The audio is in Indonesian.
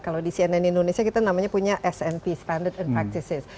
kalau di cnn indonesia kita namanya punya smp standard and practices